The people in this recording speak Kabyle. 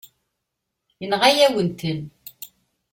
Yenɣa-yawen-ten.